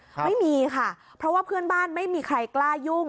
ไม่มีค่ะเพราะว่าเพื่อนบ้านไม่มีใครกล้ายุ่ง